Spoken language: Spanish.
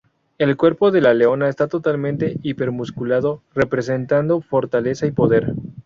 El cuerpo de la leona está totalmente hiper-musculado, representando fortaleza y poder.